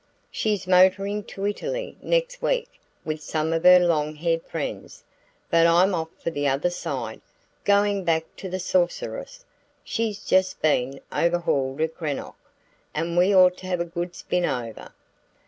"She's motoring to Italy next week with some of her long haired friends but I'm off for the other side; going back on the Sorceress. She's just been overhauled at Greenock, and we ought to have a good spin over.